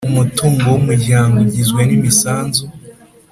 umutungo w umuryango ugizwe n imisanzu